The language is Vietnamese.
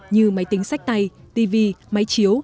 như máy tính sách tay tv máy chiếu